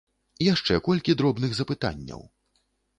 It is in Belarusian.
Яшчэ колькі дробных запытанняў.